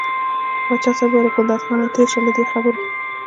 پاچا صاحب وویل ګلداد خانه تېر شه له دې خبرو.